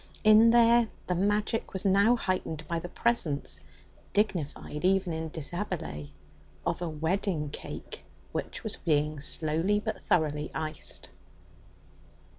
In there the magic was now heightened by the presence dignified even in deshabille of a wedding cake which was being slowly but thoroughly iced.